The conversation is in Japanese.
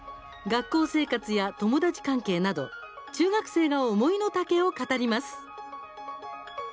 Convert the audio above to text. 学校生活や友達関係など中学生が思いの丈を語ります。